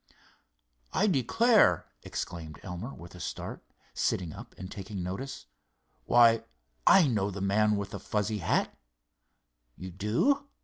"I declare!" exclaimed Elmer, with a start, sitting up and taking notice. "Why, I know the man with the fuzzy hat." "You do?"